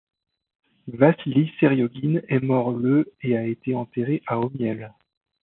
Vassilii Sérioguine est mort le et a été enterré à Homiel.